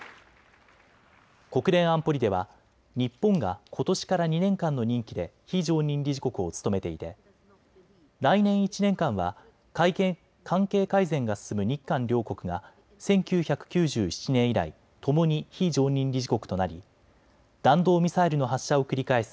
国連安保理では日本がことしから２年間の任期で非常任理事国を務めていて来年１年間は関係改善が進む日韓両国が１９９７年以来、ともに非常任理事国となり弾道ミサイルの発射を繰り返す